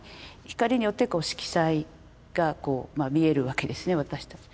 光によって色彩がこう見えるわけですね私たち。